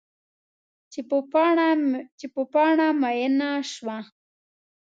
چې په پاڼه میینه شوه